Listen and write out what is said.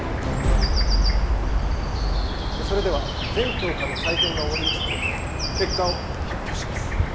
それでは全教科の採点が終わりましたので結果を発表します